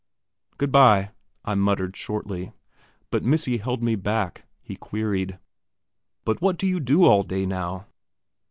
"Good bye," I muttered, shortly; but "Missy" held me back. He queried: "But what do you do all day now?"